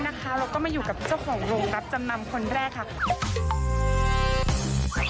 แล้วก็มาอยู่กับเจ้าของโรงรับจำนำคนแรกค่ะ